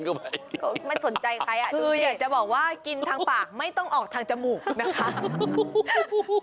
คืออยากจะบอกว่ากินทางปากไม่ต้องออกทางจมูกนะคะ